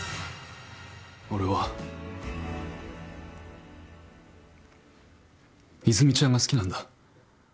俺は、泉美ちゃんが好きなんだ。